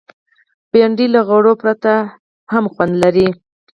بېنډۍ له غوړو پرته هم مزه لري